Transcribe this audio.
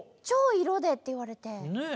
「超色で」って言われて。